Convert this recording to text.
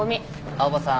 青羽さん